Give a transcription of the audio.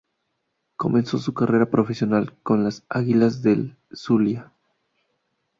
Comenzó su carrera profesional con las Águilas del Zulia.